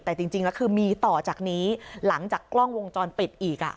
แต่จริงแล้วคือมีต่อจากนี้หลังจากกล้องวงจรปิดอีก